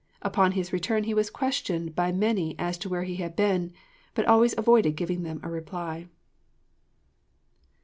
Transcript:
Upon his return he was questioned by many as to where he had been, but always avoided giving them a reply.'